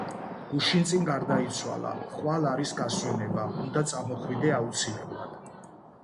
გუშინწინ გარდაიცვალა, ხვალ არის გასვენება, უნდა წამოხვიდე აუცილებლად!